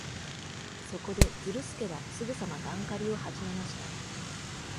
そこで、ズルスケはすぐさまガン狩りをはじめました。